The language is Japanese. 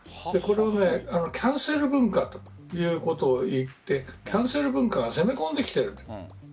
これをキャンセル文化ということを言ってキャンセル文化が攻め込んできている。